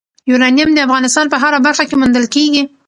یورانیم د افغانستان په هره برخه کې موندل کېږي.